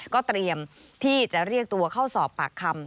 ก็เตรียมที่จะเรียกตัวเข้าสอบปากคำ